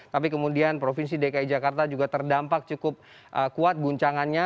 tapi kemudian provinsi dki jakarta juga terdampak cukup kuat guncangannya